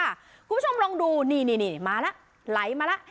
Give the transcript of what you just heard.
คุณผู้ชมลองดูนี่มาแล้วไหลมาแล้ว